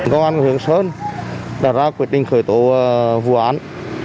công an huyện sơn đã ra quyết định khởi tố vụ án